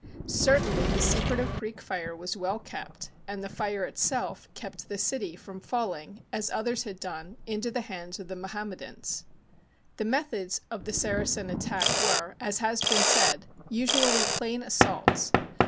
Certainly the secret of Greek fire was well kept, and the fire itself kept the city from fall ing, as others had done, into the hands of the Mo hammedans. The methods of the Saracen attack were, as has been said, usually plain assaults.